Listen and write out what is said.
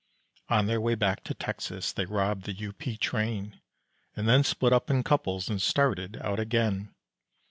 On their way back to Texas they robbed the U.P. train, And then split up in couples and started out again.